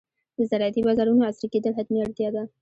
د زراعتي بازارونو عصري کېدل حتمي اړتیا ده.